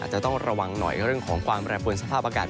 จะต้องระวังหน่อยเรื่องของความแปรปวนสภาพอากาศ